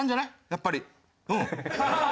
やっぱりうん。